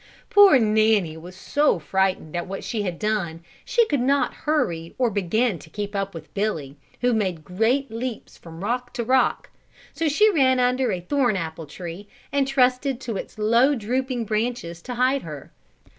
Poor Nanny was so frightened at what she had done, she could not hurry or begin to keep up with Billy, who made great leaps from rock to rock; so she ran under a thorn apple tree and trusted to its low drooping branches to hide her.